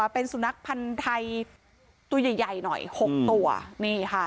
เป็นสุนัขพันธ์ไทยตัวใหญ่ใหญ่หน่อยหกตัวนี่ค่ะ